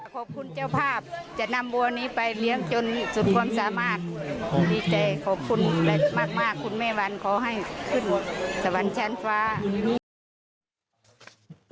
ขอบคุณเจ้าภาพ